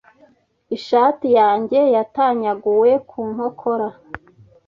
Ishati yanjye yatanyaguwe ku nkokora.